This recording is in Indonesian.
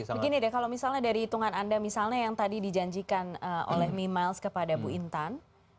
begini deh kalau misalnya dari hitungan anda misalnya yang tadi dijanjikan oleh mimiles kepada bu intan